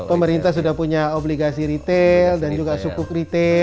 pemerintah sudah punya obligasi retail dan juga sukuk retail